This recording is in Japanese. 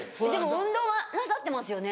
運動はなさってますよね。